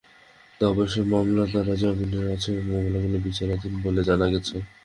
তবে এসব মামলায় তাঁরা জামিনে আছেন এবং মামলাগুলো বিচারাধীন বলে জানা গেছে।